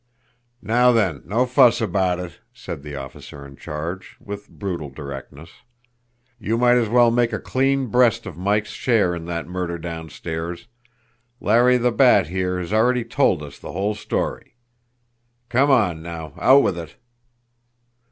"Now then, no fuss about it!" said the officer in charge, with brutal directness. "You might as well make a clean breast of Mike's share in that murder downstairs Larry the Bat, here, has already told us the whole story. Come on, now out with it!"